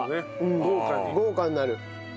豪華になる。